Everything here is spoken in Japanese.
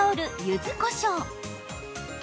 ゆずこしょう。